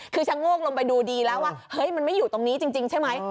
คือชะโงกลงไปดูดีแล้วว่าเฮ้ยมันไม่อยู่ตรงนี้จริงใช่ไหม